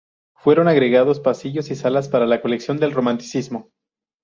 Fueron agregados pasillos y salas para la colección del Romanticismo.